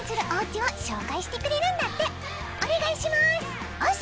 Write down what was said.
お願いしますおす！